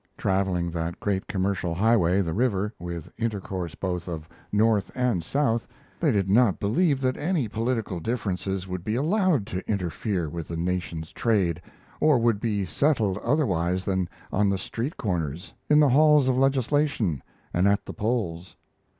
Traveling that great commercial highway, the river, with intercourse both of North and South, they did not believe that any political differences would be allowed to interfere with the nation's trade, or would be settled otherwise than on the street corners, in the halls of legislation, and at the polls.